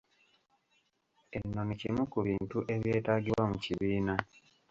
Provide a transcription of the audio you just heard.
Ennoni kimu ku bintu ebyetaagibwa mu kibiina.